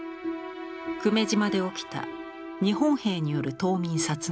久米島で起きた日本兵による島民殺害。